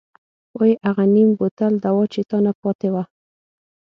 وۍ اغه نيم بوتل دوا چې تانه پاتې وه.